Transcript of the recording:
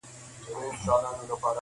• نور به نو ملنګ جهاني څه درکړي -